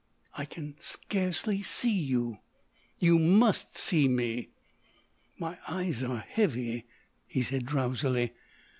"I can scarcely see you——" "You must see me!" "My eyes are heavy," he said drowsily.